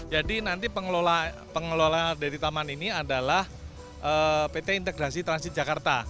jadi nanti pengelola dari taman ini adalah pt integrasi transit jakarta